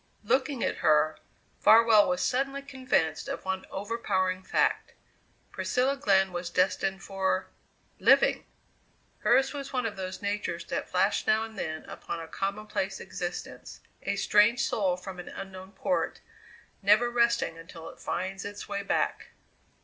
Looking at her, Farwell was suddenly convinced of one overpowering fact: Priscilla Glenn was destined for living! Hers was one of those natures that flash now and then upon a commonplace existence, a strange soul from an unknown port, never resting until it finds its way back.